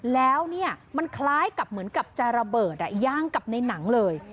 แล้วเนี่ยมันคล้ายเมื่อกับราบเบิดย่างกับในหนังเลย